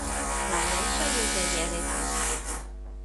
男人需要嘅嘢你帶齊